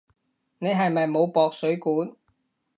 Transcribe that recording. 你係咪冇駁水管？